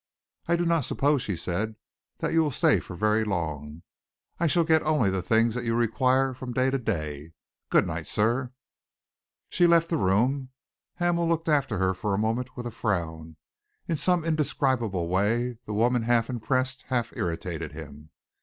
"I do not suppose," she said, "that you will stay for very long. I shall get only the things that you require from day to day. Good night, sir." She left the room. Hamel looked after her for a moment with a frown. In some indescribable way, the woman half impressed, half irritated him.